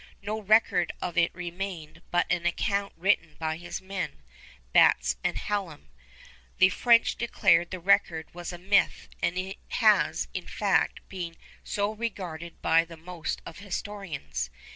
No record of it remained but an account written by his men, Batts and Hallam. The French declared the record was a myth, and it has, in fact, been so regarded by the most of historians.